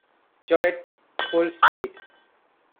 Jouett full speed!